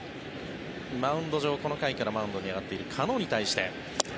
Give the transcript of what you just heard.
マウンド上、この回からマウンドに上がっているカノに対して。